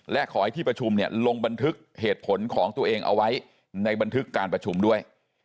และขอให้ที่ประชุมเนี่ยลงบันทึกเหตุผลของตัวเองเอาไว้ในบันทึกการประชุมด้วย